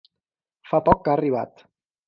Fa poc que ha arribat.